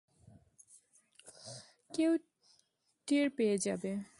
কেউ ট্যার পেয়ে যাবে।